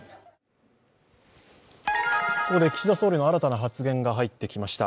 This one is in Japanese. ここで岸田総理の新たな発言が入ってきました。